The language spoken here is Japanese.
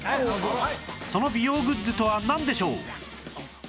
その美容グッズとはなんでしょう？